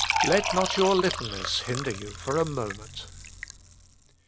Let not your littleness hinder you for a moment.